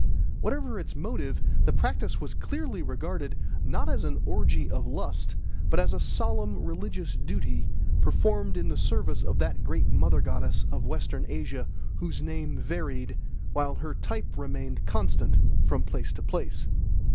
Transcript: Whatever its motive, the practice was clearly regarded, not as an orgy of lust, but as a solemn religious duty performed in the service of that great Mother Goddess of Western Asia whose name varied, while her type remained constant, from place to place.